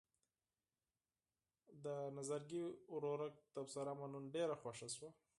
د نظرګي ورورک تبصره مې نن ډېره خوښه شوه.